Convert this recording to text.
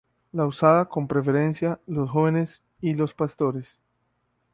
La usaban con preferencia los jóvenes y los pastores.